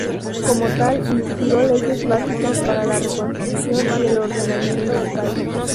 Como tal, inspiró leyes básicas para la reconstrucción y el ordenamiento del país.